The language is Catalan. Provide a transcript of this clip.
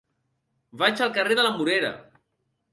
Vaig al carrer de la Morera.